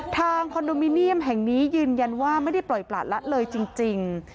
คอนโดมิเนียมแห่งนี้ยืนยันว่าไม่ได้ปล่อยประละเลยจริง